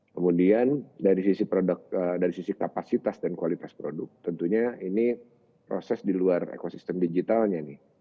kemudian dari sisi kapasitas dan kualitas produk tentunya ini proses di luar ekosistem digitalnya nih